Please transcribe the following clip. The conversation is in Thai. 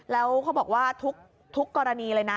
แล้วเขาบอกว่าทุกกรณีเลยนะ